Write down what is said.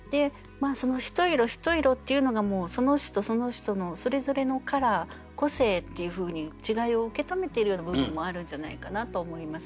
ひと色ひと色っていうのがその人その人のそれぞれのカラー個性っていうふうに違いを受け止めているような部分もあるんじゃないかなと思います。